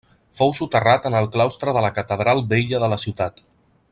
Fou soterrat en el claustre de la Catedral vella de la ciutat.